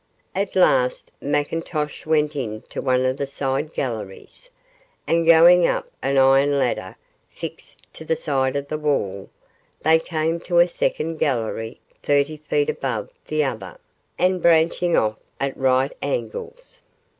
At last McIntosh went into one of the side galleries, and going up an iron ladder fixed to the side of the wall, they came to a second gallery thirty feet above the other, and branching off at right angles.